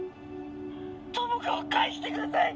友果を返してください！